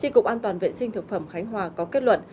tri cục an toàn vệ sinh thực phẩm khánh hòa có kết luận